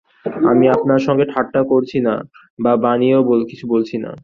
আমি আপনার সঙ্গে ঠাট্টা করছি না বা বানিয়েও কিছু বলছি না।